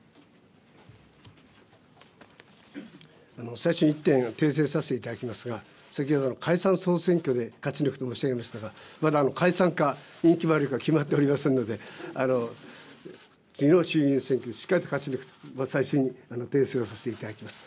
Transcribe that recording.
最初に１点訂正させていただきますが先ほど解散総選挙で勝ち抜くと申し上げましたがまだ解散に決まるか決まっておりませんので次の衆議院選挙しっかり勝ち抜く最初に訂正させていただきます。